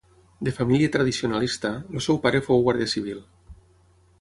De família tradicionalista, el seu pare fou guàrdia civil.